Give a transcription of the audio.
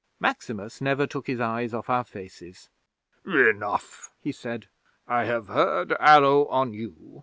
Maximus never took his eyes off our faces. '"Enough," he said. "I have heard Allo on you.